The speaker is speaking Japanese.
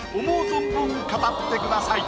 存分語ってください